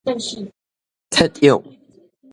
撤勇